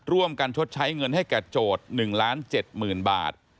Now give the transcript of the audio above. ร่วมกันชดใช้เงินให้กับโจทธ์๑ล้าน๗หมื่นบาท